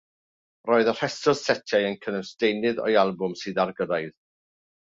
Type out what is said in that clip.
Roedd y rhestr setiau yn cynnwys deunydd o'i albwm sydd ar gyrraedd.